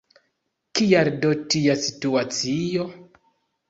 Kial do tia situacio?